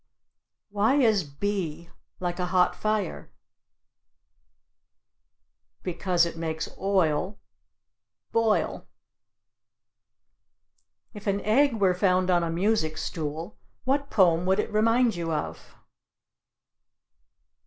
Why is B like a hot fire? Because it makes oil Boil. If an egg were found on a music stool, what poem would it remind you of?